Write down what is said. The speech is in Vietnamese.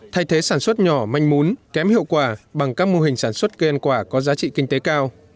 thay thế sản xuất nhỏ manh mún kém hiệu quả bằng các mô hình sản xuất cây ăn quả có giá trị kinh tế cao